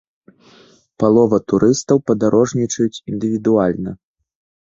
Палова турыстаў падарожнічаюць індывідуальна.